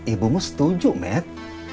ibumu setuju med